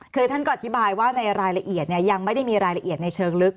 คือท่านก็อธิบายว่าในรายละเอียดยังไม่ได้มีรายละเอียดในเชิงลึก